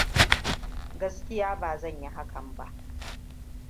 Gaskiya ba zan yi hakan ba.